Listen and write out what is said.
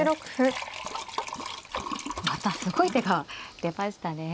またすごい手が出ましたね。